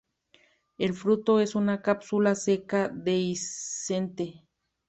El fruto es una cápsula seca dehiscente.